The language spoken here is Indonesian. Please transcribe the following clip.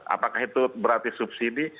apakah itu berarti subsidi